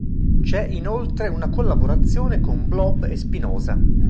C'è, inoltre, una collaborazione con "Blob" e "Spinoza".